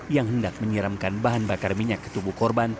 yang hendak menyiramkan bahan bakar minyak ke tubuh korban